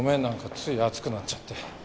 なんかつい熱くなっちゃって。